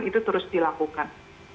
itu terus dilakukan